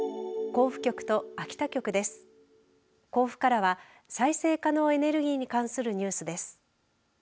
甲府から再生可能エネルギーに関するニュースです。